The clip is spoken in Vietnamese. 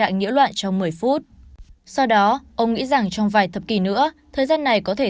nhiễu loạn trong một mươi phút sau đó ông nghĩ rằng trong vài thập kỷ nữa thời gian này có thể